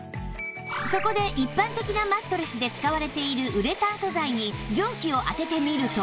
そこで一般的なマットレスで使われているウレタン素材に蒸気を当ててみると